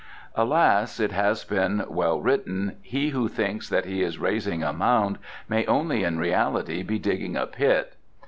Alas, it has been well written: "He who thinks that he is raising a mound may only in reality be digging a pit."